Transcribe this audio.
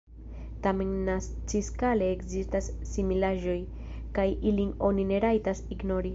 Tamen naciskale ekzistas similaĵoj, kaj ilin oni ne rajtas ignori.